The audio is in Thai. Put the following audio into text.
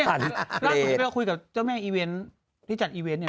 ล่ะก่อนที่ไปก่อนคุยกับเจ้าแม่อีเวนท์